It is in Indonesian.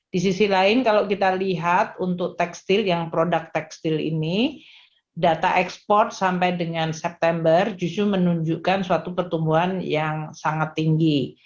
di sisi lain kalau kita lihat untuk produk tekstil ini data ekspor sampai dengan september justru menunjukkan suatu pertumbuhan yang sangat tinggi